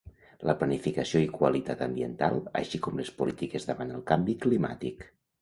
La planificació i qualitat ambiental així com les polítiques davant el canvi climàtic.